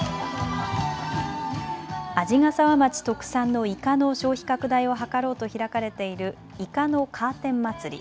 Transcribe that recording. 鰺ヶ沢町特産のイカの消費拡大を図ろうと開かれているイカのカーテンまつり。